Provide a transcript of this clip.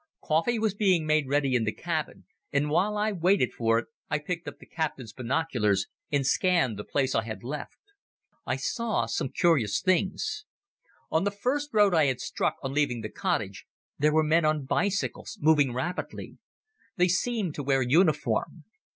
Coffee was being made ready in the cabin, and while I waited for it I picked up the captain's binoculars and scanned the place I had left. I saw some curious things. On the first road I had struck on leaving the cottage there were men on bicycles moving rapidly. They seemed to wear uniform.